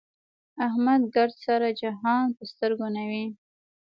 احمد ګردسره جهان په سترګو نه وي.